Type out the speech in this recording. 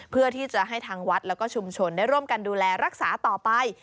เพื่อที่จะให้ทางวัดแล้วก็ชุมชนได้ร่วมกันดูแลรักษาต่อไป